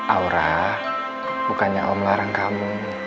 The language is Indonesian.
aura bukannya om larang kamu